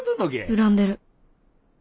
恨んでる。